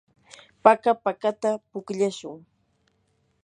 paka pakata pukllashun.